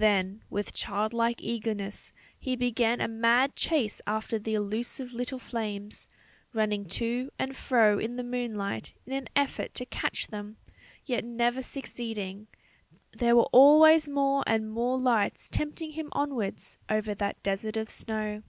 Then with childlike eagerness he began a mad chase after the elusive little flames, running to and fro in the moonlight in an effort to catch them, yet never succeeding; there were always more and more lights tempting him onwards over that desert of snow.